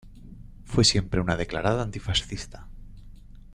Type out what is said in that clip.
Fue siempre una declarada antifascista.